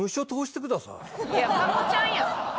いや加納ちゃんやん！